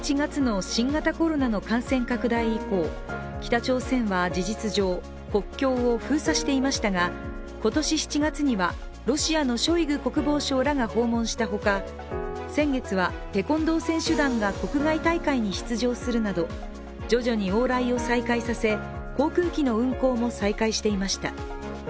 北朝鮮は事実上、国境を封鎖していましたが今年７月にはロシアのショイグ国防相らが訪問した他先月はテコンドー選手団が国外大会に出場するなど徐々に往来を再開させ航空機の運航も再開していました。